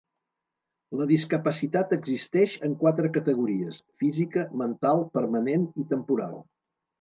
La discapacitat existeix en quatre categories: física, mental, permanent i temporal.